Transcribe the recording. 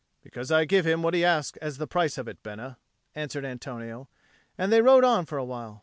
"Because I give him what he asks as the price of it, Bena," answered Antonio; and they rode on for a while.